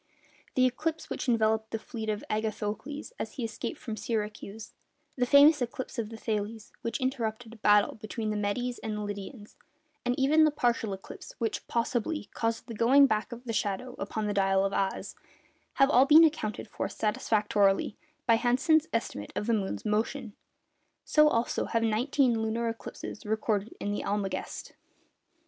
the eclipse which enveloped the fleet of Agathocles as he escaped from Syracuse; the famous eclipse of Thales, which interrupted a battle between the Medes and Lydians; and even the partial eclipse which (possibly) caused the 'going back of the shadow upon the dial of Ahaz'—have all been accounted for satisfactorily by Hansen's estimate of the moon's motion: so also have nineteen lunar eclipses recorded in the Almagest.